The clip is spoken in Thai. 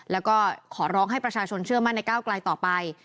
แล้วก็ขอร้องให้ประชาชนเชื่อมั่นในก้าวไกลต่อไป